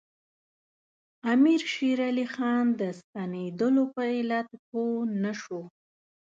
امیر شېر علي خان د ستنېدلو په علت پوه نه شو.